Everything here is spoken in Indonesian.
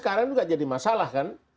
sekarang itu tidak jadi masalah kan